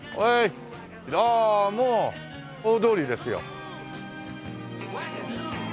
ああもう大通りですよ。